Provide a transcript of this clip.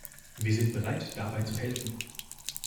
Wir sind bereit, dabei zu helfen.